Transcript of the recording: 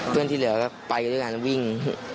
เพื่อนที่เหลือก็ไปด้วยกันแล้ววิ่ง